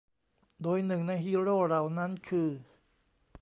โดยหนึ่งในฮีโร่เหล่านั้นคือ